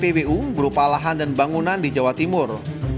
pt pwu berupa lahan dan bangunan di jawa timur